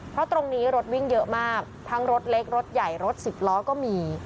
เพราะตรงนี้รถวิ่งเยอะมากทั้งรถเล็กรถใหญ่รถสิบล้อก็มี